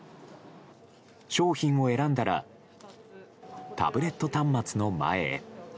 商品を選んだらタブレット端末の前へ。